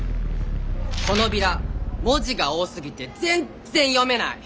このビラ文字が多すぎて全然読めない！